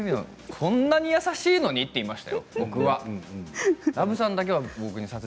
こんなに優しいのにって言いましたよ、僕は。